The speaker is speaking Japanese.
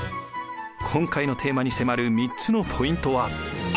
今回のテーマに迫る３つのポイントは。